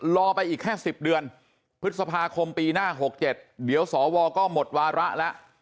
รอไปอีกแค่สิบเดือนพฤษภาคมปีหน้าหกเจ็ดเดี๋ยวสอวอล์ก็หมดวาระแล้ว